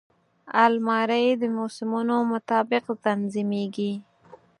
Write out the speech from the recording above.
الماري د موسمونو مطابق تنظیمېږي